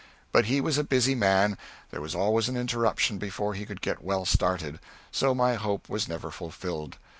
But he was a busy man; there was always an interruption before he could get well started; so my hope was never fulfilled.